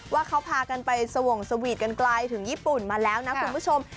ว่าเขาพากันไปสวงสวีทกันไกลถึงญี่ปุ่นมาแล้วนะคุณผู้ชม